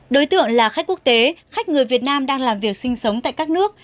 đối tượng là khách quốc tế khách người việt nam đang làm việc sinh sống tại các nước